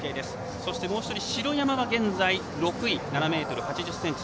そしてもう１人城山が現在６位７ｍ８０ｃｍ。